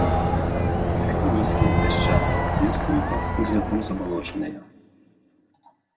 Берагі нізкія, пясчаныя, месцамі пад хмызняком, забалочаныя.